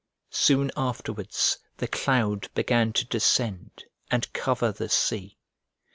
Soon afterwards, the cloud began to descend, and cover the sea.